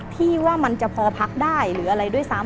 ที่ว่ามันจะพอพักได้หรืออะไรด้วยซ้ำ